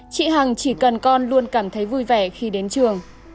chị hằng chỉ cần con luôn cảm thấy vui vẻ khi đến trường